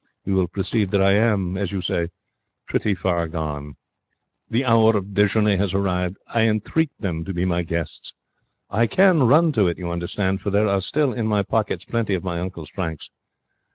You will perceive that I am, as you say, pretty far gone. The hour of dejeuner has arrived. I entreat them to be my guests. I can run to it, you understand, for there are still in my pockets plenty of my uncle's francs.